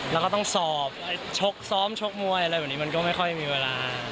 แล้วก็ต้องสอบชกซ้อมชกมวยอะไรแบบนี้มันก็ไม่ค่อยมีเวลา